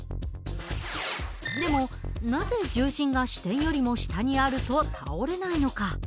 でもなぜ重心が支点よりも下にあると倒れないのか。